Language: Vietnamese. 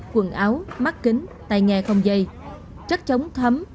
quần áo mắt kính tài nghề không dây chất chống thấm